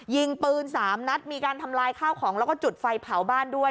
ยิงปืน๓นัดมีการทำลายข้าวของแล้วก็จุดไฟเผาบ้านด้วย